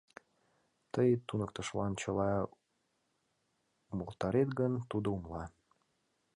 — Тый туныктышылан чыла умылтарет гын, тудо умыла.